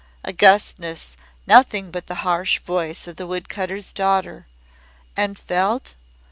"Augustness, nothing but the harsh voice of the wood cutter's daughter." "And felt?"